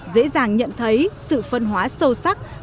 dễ dàng nhận thấy sự phân hóa sâu sắc